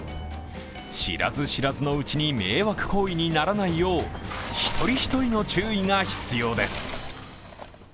知らず知らずのうちに迷惑行為にならないよう、１人１人の注意が必要です。